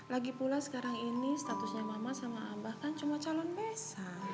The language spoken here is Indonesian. lagipula sekarang ini statusnya mama sama abah kan cuma calon besa